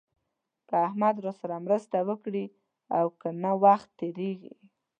که احمد راسره مرسته وکړي او که نه وخت تېرېږي.